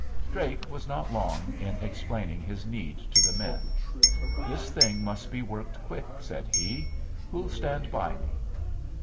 Drake was not long in explaining his need to the men. "This thing must be worked quick," said he. "Who'll stand by me?"